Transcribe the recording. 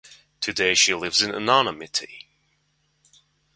Today she lives in anonymity.